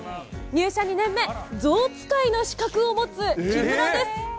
入社２年目、ゾウ使いの資格を持つ、木村です。